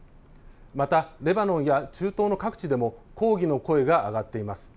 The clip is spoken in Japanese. またレバノンや中東の各地でも抗議の声が上がっています。